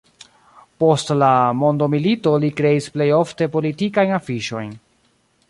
Post la mondomilito li kreis plej ofte politikajn afiŝojn.